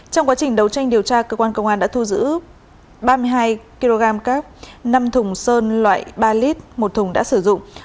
trong quá trình đấu tranh điều tra cơ quan công an đã thu giữ ba mươi hai kg cáp năm thùng sơn loại ba lít một thùng đã sử dụng